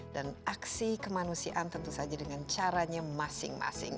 dan aksi kemanusiaan tentu saja dengan caranya masing masing